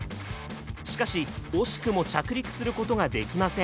しかし惜しくも着陸することができません。